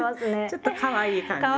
ちょっとかわいい感じですかね。